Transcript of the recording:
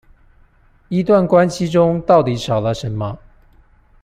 一段關係中到底少了什麼